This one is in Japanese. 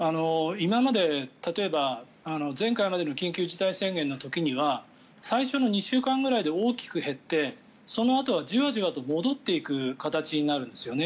今まで例えば前回までの緊急事態宣言の時には最初の２週間ぐらいで大きく減ってそのあとはじわじわと戻っていく形になるんですよね。